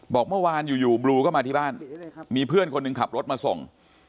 บอกเมื่อวานอยู่บลูก็มาที่บ้านมีเพื่อนคนหนึ่งขับรถมาส่ง